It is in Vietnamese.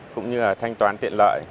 cũng như là thanh toán tiện lợi